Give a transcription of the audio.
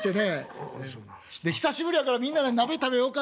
「久しぶりやからみんなで鍋食べようか」